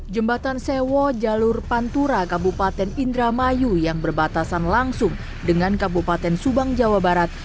jembatan sewo jalur pantura kabupaten indramayu yang berbatasan langsung dengan kabupaten subang jawa barat